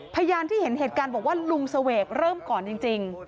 พยานที่เห็นเหตุการณ์บอกว่าลุงเสวกเริ่มก่อนจริง